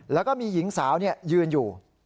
แล้วก็มีหญิงสาวยืนอยู่